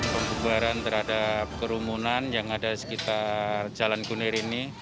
pembubaran terhadap kerumunan yang ada di sekitar jalan kunir ini